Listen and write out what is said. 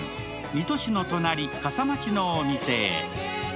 水戸市の隣・笠間市のお店へ。